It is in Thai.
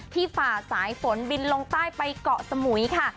ฝ่าสายฝนบินลงใต้ไปเกาะสมุยค่ะ